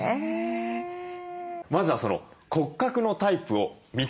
まずはその骨格のタイプを３つ見てまいりましょう。